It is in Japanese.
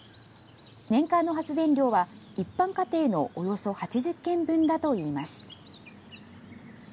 年間の発電量は、一般家庭のおよそ８０軒分だといいます。